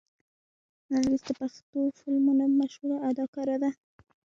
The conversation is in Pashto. نرګس د پښتو فلمونو مشهوره اداکاره ده.